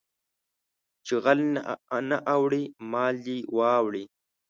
چې غل نه اوړي مال دې واوړي